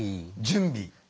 準備。